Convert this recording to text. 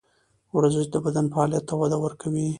ورزش د بدن فعالیت ته وده ورکوي.